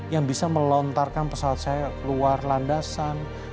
yang bisa melontarkan pesawat saya keluar landasan